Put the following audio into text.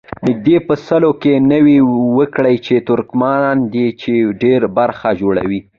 نږدې په سلو کې نوي وګړي یې ترکمنان دي چې ډېره برخه جوړوي.